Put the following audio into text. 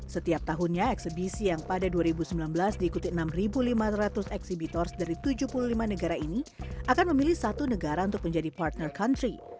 setiap tahunnya eksebisi yang pada dua ribu sembilan belas diikuti enam lima ratus eksibitor dari tujuh puluh lima negara ini akan memilih satu negara untuk menjadi partner country